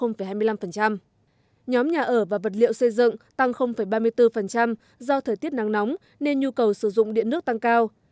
nhóm nhà ở và vật liệu xây dựng tăng ba mươi bốn do thời tiết nắng nóng nên nhu cầu sử dụng điện nước tăng cao